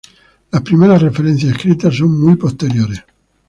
Las primeras referencias escritas son muy posteriores.